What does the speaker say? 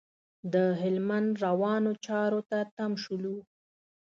د هلمند روانو چارو ته تم شولو.